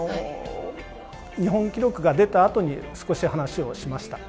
日本記録が出た後に少し話をしました。